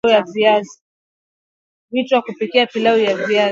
Vitu vya kupikia pilau la viazi